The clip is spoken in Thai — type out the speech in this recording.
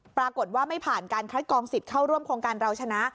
ปรากฏว่าไม่ผ่านการคัดกองสิทธิ์เข้าร่วมโครงการเราชนะ